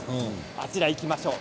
あちらに行きましょう。